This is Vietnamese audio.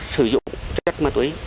sử dụng chất ma túy